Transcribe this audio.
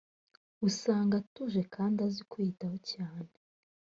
usanga atuje kandi azi kuwitaho cyane